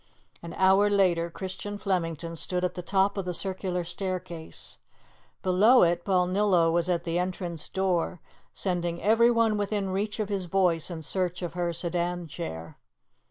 An hour later Christian Flemington stood at the top of the circular staircase. Below it, Balnillo was at the entrance door, sending everyone within reach of his voice in search of her sedan chair.